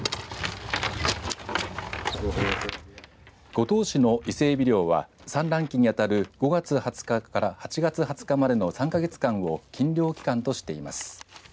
五島市のイセエビ漁は産卵期に当たる５月２０日から８月２０日までの３か月間を禁漁期間としています。